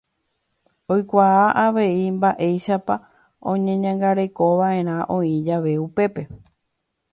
Oikuaa avei mba'éichapa oñeñangarekova'erã oĩ jave upépe.